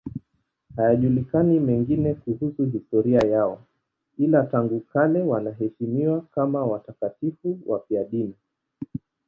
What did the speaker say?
Hayajulikani mengine kuhusu historia yao, ila tangu kale wanaheshimiwa kama watakatifu wafiadini.